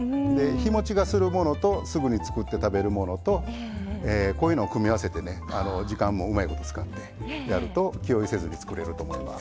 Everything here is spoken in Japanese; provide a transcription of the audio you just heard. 日もちがするものとすぐにつくって食べるものとこういうのを組み合わせてね時間もうまいこと使ってやると気負いせずにつくれると思います。